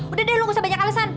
udah deh lu gak usah banyak alesan